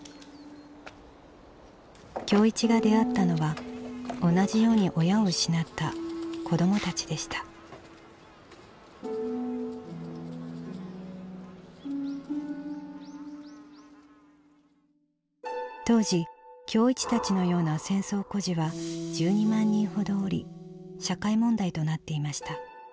今日一が出会ったのは同じように親を失った子どもたちでした当時今日一たちのような戦争孤児は１２万人ほどおり社会問題となっていました。